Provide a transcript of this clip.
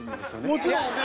もちろん。